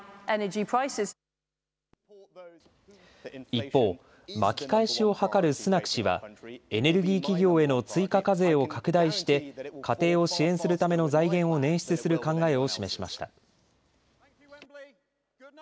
一方、巻き返しを図るスナク氏はエネルギー企業への追加課税を拡大して家庭を支援するための財源を捻出する考えを示しました。